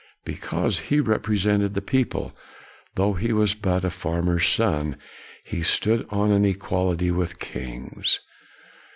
Because he repre sented the people, though he was but a farmer's son, he stood on an equality with kings.